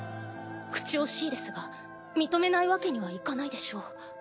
口惜しいですが認めないわけにはいかないでしょう。